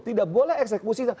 tidak boleh eksekusi